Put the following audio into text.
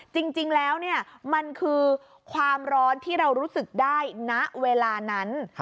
จริงแล้วมันคือความร้อนที่เรารู้สึกได้ณเวลานั้น